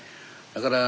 だから